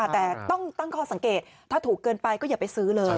แต่ต้องตั้งข้อสังเกตถ้าถูกเกินไปก็อย่าไปซื้อเลย